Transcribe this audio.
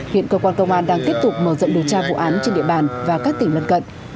hiện cơ quan công an đang tiếp tục mở rộng điều tra vụ án trên địa bàn và các tỉnh lân cận